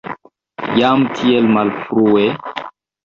Jam tiel malfrue?